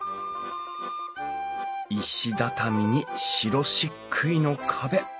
石畳に白しっくいの壁。